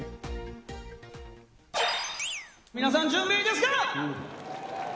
皆さん、準備はいいですか？